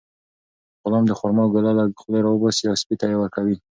غلام د خورما ګوله له خولې راوباسي او سپي ته یې ورکوي.